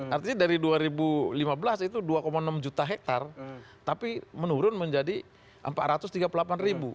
artinya dari dua ribu lima belas itu dua enam juta hektare tapi menurun menjadi empat ratus tiga puluh delapan ribu